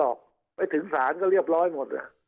คราวนี้เจ้าหน้าที่ป่าไม้รับรองแนวเนี่ยจะต้องเป็นหนังสือจากอธิบดี